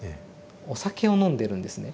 お酒を飲んでるんですね。